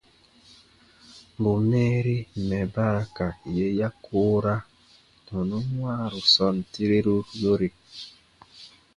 Bù mɛɛri mɛ̀ ba ra ka yè ya koora tɔnun wãaru sɔɔn tireru yore.